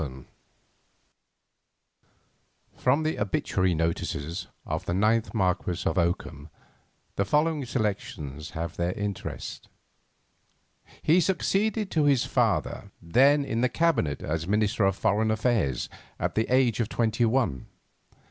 XI From the obituary notices of the 9th Marquess of Oakham the following selections have their interest: He succeeded to his father, then in the Cabinet as Minister for Foreign Affairs, at the age of twenty one.